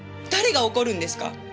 誰が怒るんですか？